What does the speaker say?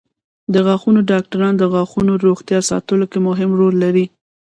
د غاښونو ډاکټران د غاښونو روغتیا ساتلو کې مهم رول لري.